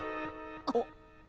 あっ。